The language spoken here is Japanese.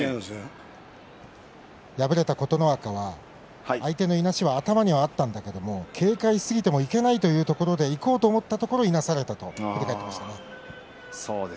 琴ノ若、相手のいなしは頭にはあったんだけれども警戒しすぎてもいけないということでいこうと思ったところをいなされたというふうに話していました。